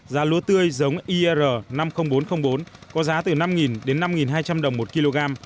giá lúa tươi giống ir năm mươi nghìn bốn trăm linh bốn có giá từ năm đến năm hai trăm linh đồng một kg